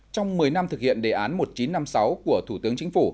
trong một mươi năm thực hiện đề án một nghìn chín trăm năm mươi sáu của thủ tướng chính phủ